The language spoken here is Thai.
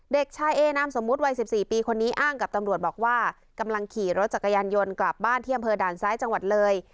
เด็กชายเอนามสมมุติวัย๑๔ปีคนนี้อ้างกับตำรวจบอกว่ากำลังขี่รถจักรยานยนต์กลับบ้านที่อำเภอด่านซ้ายจังหวัดเลย